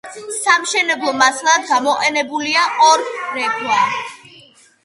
სამშენებლო მასალად გამოყენებულია ყორექვა.